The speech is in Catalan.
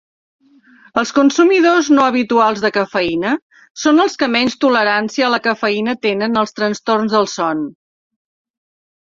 Els consumidors no habituals de cafeïna són els que menys tolerància a la cafeïna tenen als trastorns del son.